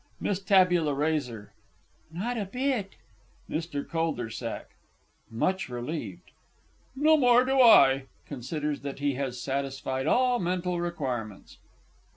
MISS T. R. Not a bit. MR. C. (much relieved). No more do I. (_Considers that he has satisfied all mental requirements.